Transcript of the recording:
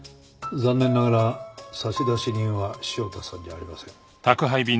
残念ながら差出人は汐田さんじゃありません。